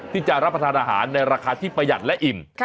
ที่จะรับประทานอาหารในราคาที่ประหยัดและอิ่ม